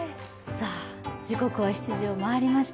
時刻は７時を回りました。